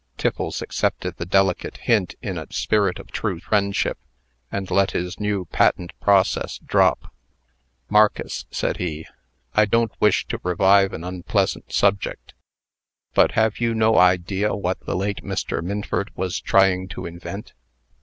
Tiffles accepted the delicate hint in a spirit of true friendship, and let his new patent process drop. "Marcus," said he, "I don't wish to revive an unpleasant subject; but have you no idea what the late Mr. Minford was trying to invent?"